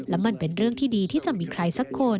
และมันเป็นเรื่องที่ดีที่จะมีใครสักคน